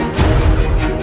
aku mau pergi